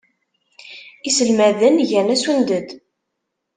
Iselmaden gan asunded.